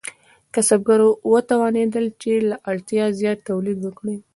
کسبګر وتوانیدل چې له اړتیا زیات تولید وکړي.